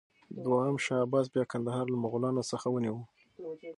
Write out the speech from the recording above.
دوهم شاه عباس بیا کندهار له مغلانو څخه ونیوه.